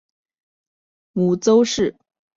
母邹氏。